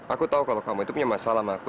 aku tahu kalau kamu itu punya masalah sama aku